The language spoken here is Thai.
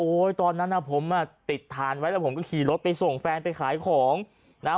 ตอนนั้นน่ะผมอ่ะติดฐานไว้แล้วผมก็ขี่รถไปส่งแฟนไปขายของนะฮะ